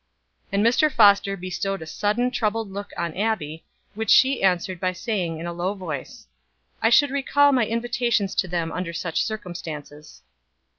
And Mr. Foster bestowed a sudden troubled look on Abbie, which she answered by saying in a low voice, "I should recall my invitations to them under such circumstances."